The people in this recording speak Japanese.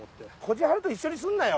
じはると一緒にすんなよ！